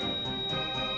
kamu juga harus kuat